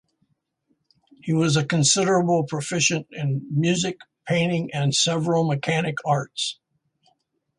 He was a considerable proficient in music, painting, and several mechanic arts.